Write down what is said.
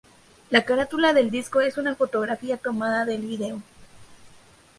La carátula del disco es una fotografía tomada del vídeo.